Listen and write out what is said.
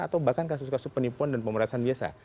atau bahkan kasus kasus penipuan dan pemerasan biasa